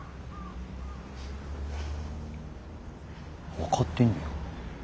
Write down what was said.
分かってんねや。